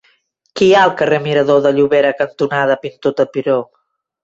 Què hi ha al carrer Mirador de Llobera cantonada Pintor Tapiró?